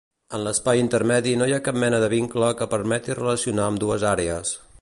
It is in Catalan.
En l'espai intermedi no hi ha cap mena de vincle que permeti relacionar ambdues àrees.